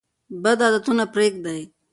بد عادتونه پریږدئ.